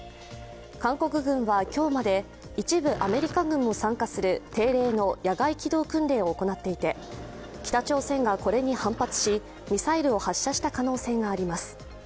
韓国軍は今日まで一部アメリカ軍も参加する定例の野外機動訓練を行っていて、北朝鮮がこれに反発しミサイルを発射した可能性があります。